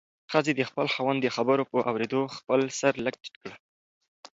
ښځې د خپل خاوند د خبرو په اورېدو خپل سر لږ ټیټ کړ.